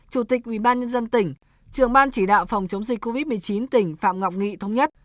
chủ tịch ubnd tỉnh trường ban chỉ đạo phòng chống dịch covid một mươi chín tỉnh phạm ngọc nghị thống nhất